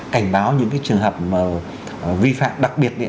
cảnh báo những trường hợp vi phạm đặc biệt